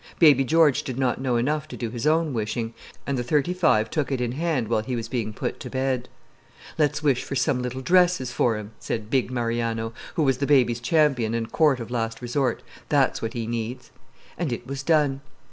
Baby George did not know enough to do his own wishing, and the thirty five took it in hand while he was being put to bed. "Let's wish for some little dresses for him," said big Mariano, who was the baby's champion and court of last resort; "that's what he needs." And it was done.